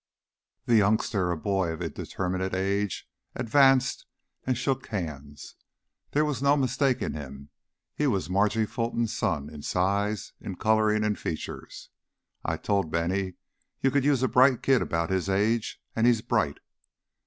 The youngster, a boy of indeterminate age, advanced and shook hands. There was no mistaking him; he was Margie Fulton's son in size, in coloring, in features. "I told Bennie you could use a bright kid about his age. And he's bright."